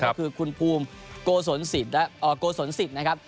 ก็คือคุณภูมิโกสนสิทธิ์นะครับ